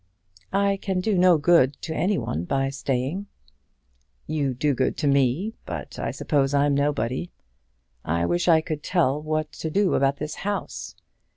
"I can do no good to any one by staying." "You do good to me; but I suppose I'm nobody. I wish I could tell what to do about this house.